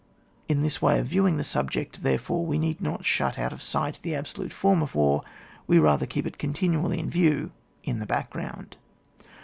In this way of viewing the subject, therefore, we need not shut out of sight the absolute form of war, we rather keep it continually in view in the back ground.